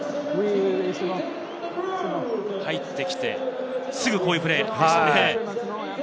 入ってきて、すぐこういうプレー。